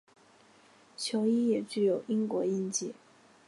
球衣也具有英国印记。